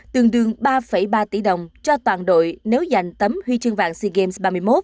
tương đương ba ba tỷ đồng cho toàn đội nếu giành tấm huy chương vàng sea games ba mươi một